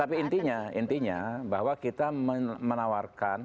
tapi intinya intinya bahwa kita menawarkan